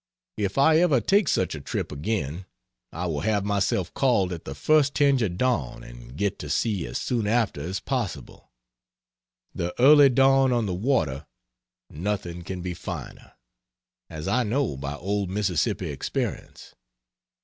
If I ever take such a trip again, I will have myself called at the first tinge of dawn and get to sea as soon after as possible. The early dawn on the water nothing can be finer, as I know by old Mississippi experience.